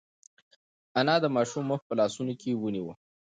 انا د ماشوم مخ په لاسونو کې ونیو.